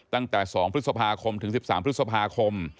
ตั้งแต่๒พฤษภาคมถึง๑๓พฤษภาคม